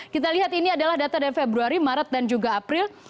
kita lihat ini adalah data dari februari maret dan juga april